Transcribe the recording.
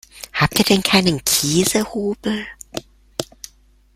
Habt ihr denn keinen Käsehobel?